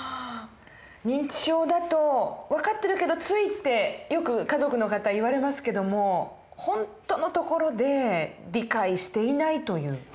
認知症だと分かってるけどついってよく家族の方言われますけども本当のところで理解していないという。